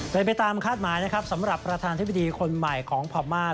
ในไปตามคาดหมายนะครับสำหรับประธานทฤษฎีคนใหม่ของภามาร์